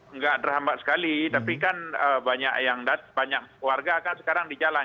nggak terhambat sekali tapi kan banyak yang banyak warga kan sekarang di jalan